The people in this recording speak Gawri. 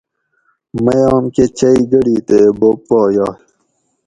مئ اوم کٞہ چئ گٞڑی تے بوب پا یائ